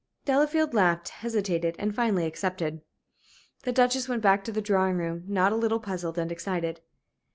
Delafield laughed, hesitated, and finally accepted. The Duchess went back to the drawing room, not a little puzzled and excited.